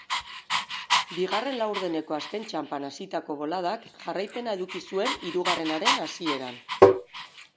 Bigarren laurdeneko azken txanpan hasitako boladak jarraipena eduki zuen hirugarrenaren hasieran.